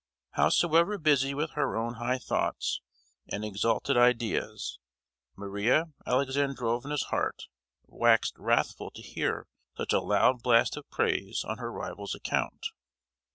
Howsoever busy with her own high thoughts and exalted ideas, Maria Alexandrovna's heart waxed wrathful to hear such a loud blast of praise on her rival's account.